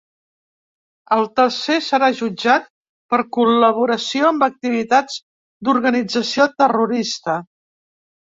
Al tercer serà jutjat per col·laboració amb activitats d’organització terrorista.